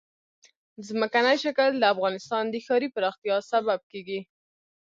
ځمکنی شکل د افغانستان د ښاري پراختیا سبب کېږي.